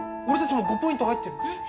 俺たちも５ポイント入ってる。